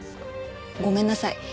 ごめんなさい。